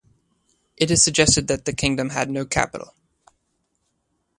It is suggested that the kingdom had no capital.